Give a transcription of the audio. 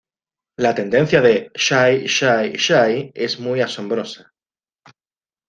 La tendencia de 'Shy Shy Shy' es muy asombrosa.